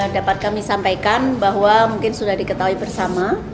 dapat kami sampaikan bahwa mungkin sudah diketahui bersama